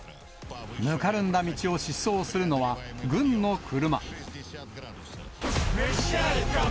ぬかるんだ道を疾走するのは、軍の車。